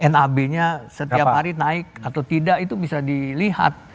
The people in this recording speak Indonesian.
nab nya setiap hari naik atau tidak itu bisa dilihat